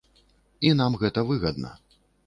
І нам гэта выгадна.